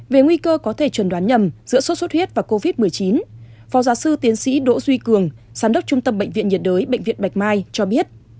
về nguy cơ có thể chuẩn đoán nhầm giữa sốt xuất huyết và covid một mươi chín phó giáo sư tiến sĩ đỗ duy cường giám đốc trung tâm bệnh viện nhiệt đới bệnh viện bạch mai cho biết